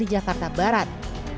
di jakarta barat